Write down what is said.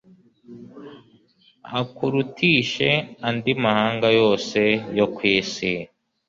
akurutishe andi mahanga yose yo ku isi